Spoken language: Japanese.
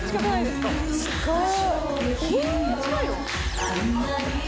すごい！